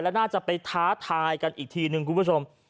แล้วน่าจะไปท้าทายกันอีกทีนึงคุณผู้ชม